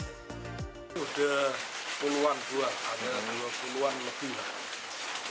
ini udah puluhan buat ada dua puluh an lebih lah